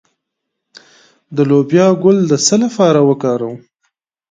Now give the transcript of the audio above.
د لوبیا ګل د څه لپاره وکاروم؟